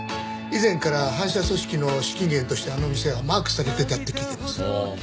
以前から反社組織の資金源としてあの店はマークされてたって聞いてます。